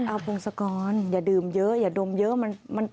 เอาพงศกรอย่าดื่มเยอะอย่าดมเยอะ